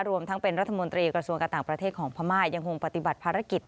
รวมทั้งเป็นรัฐมนตรีกระทรวงการต่างประเทศของพม่ายังคงปฏิบัติภารกิจ